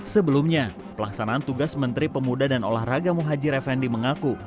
sebelumnya pelaksanaan tugas menteri pemuda dan olahragamu haji refendi mengaku